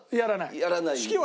やらない。